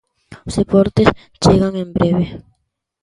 Os deportes chegan en breve.